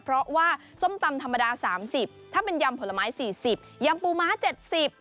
เพราะว่าส้มตำธรรมดาสามสิบถ้าเป็นยำผลไม้สี่สิบยำปูม้าเจ็ดสิบ